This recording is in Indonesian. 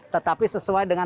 tetapi sesuai dengan